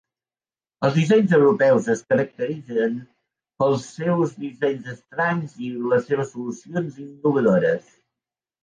Els dissenys europeus es caracteritzen pels seus dissenys estranys i les seves solucions innovadores.